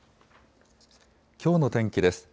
きょうの天気です。